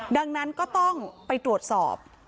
ดังนั้นก็ต้องไปตรวจสอบ